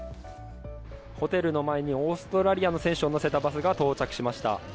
ホテルの前にオーストラリアの選手を乗せたバスが到着しました。